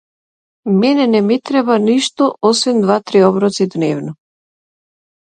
Мене не ми треба ништо, освен два-три оброци дневно.